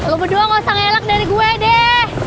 lo berdua gak usah ngelak dari gue deh